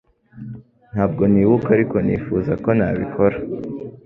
Ntabwo nibuka ariko nifuza ko nabikora